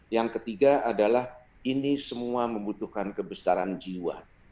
yang ketiga adalah ini semua membutuhkan kebesaran jiwa